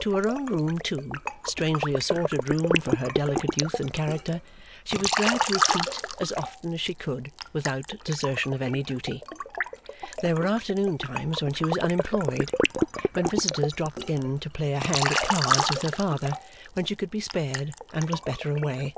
To her own room too, strangely assorted room for her delicate youth and character, she was glad to retreat as often as she could without desertion of any duty. There were afternoon times when she was unemployed, when visitors dropped in to play a hand at cards with her father, when she could be spared and was better away.